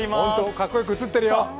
かっこよく映ってるよ。